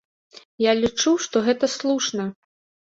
Я лічу, што гэта слушна.